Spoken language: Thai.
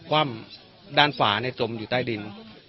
ความด้านฝาจมอยู่ใต้ดิน